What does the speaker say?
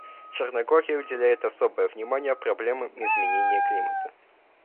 Черногория уделяет особое внимание проблемам изменения климата.